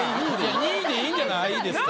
２位でいいんじゃないですか？